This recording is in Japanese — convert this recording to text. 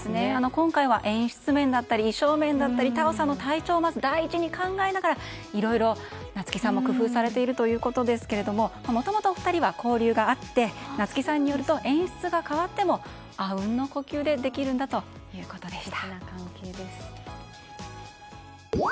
今回は演出面だったり衣装面だったり太鳳さんの体調を第一に考えながらいろいろ夏木さんも工夫されているということですがもともとお二人は交流があり夏木さんによると演出が変わってもあうんの呼吸でできるんだということでした。